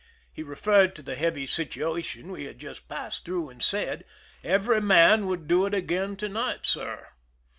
He referred to the heavy situation we had passed through, and said, "Every man would do it again to night, sir."